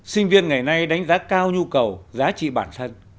sinh viên ngày nay đánh giá cao nhu cầu giá trị bản thân